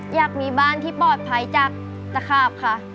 อยากมีบ้านที่ปลอดภัยจากตะขาบค่ะ